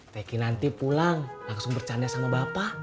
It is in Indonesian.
teki nanti pulang langsung bercanda sama bapak